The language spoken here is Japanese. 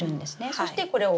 そしてこれを置く。